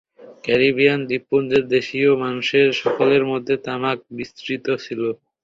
Caribbean দ্বীপপুঞ্জের দেশীয় মানুষের সকলের মধ্যে তামাক বিস্তৃত ছিল।